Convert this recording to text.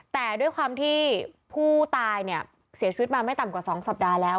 แต่ด้วยความที่ผู้ตายเนี่ยเสียชีวิตมาไม่ต่ำกว่า๒สัปดาห์แล้ว